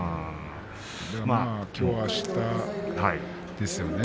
きょう、あしたですよね。